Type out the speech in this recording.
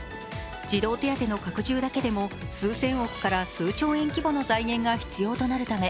児童手当の拡充だけでも数千億から数千兆規模の財源が必要となるため、